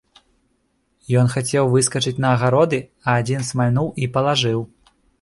Ён хацеў выскачыць на агароды, а адзін смальнуў і палажыў.